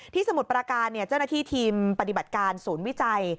สมุทรประการเจ้าหน้าที่ทีมปฏิบัติการศูนย์วิจัย